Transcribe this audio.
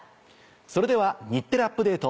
それでは『日テレアップＤａｔｅ！』